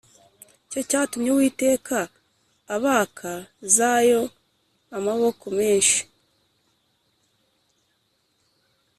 cyo cyatumye Uwiteka abak zayo amaboko menshi